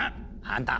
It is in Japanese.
あんた！